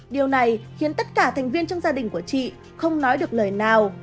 điều này khiến tất cả thành viên trong gia đình của chị không nói được lời nào